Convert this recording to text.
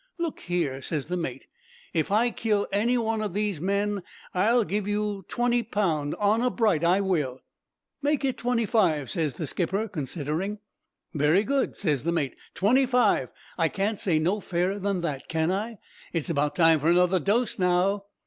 "'Look here,' ses the mate. 'If I kill any one o' these men, I'll give you twenty pound. Honor bright, I will.' "'Make it twenty five,' ses the skipper, considering. "'Very good,' ses the mate. 'Twenty five; I can't say no fairer than that, can I? It's about time for another dose now.'